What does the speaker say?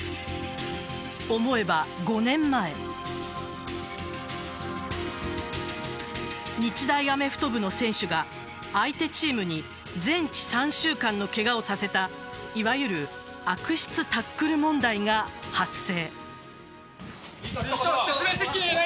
思えば５年前日大アメフト部の選手が相手チームに全治３週間のけがをさせたいわゆる悪質タックル問題が発生。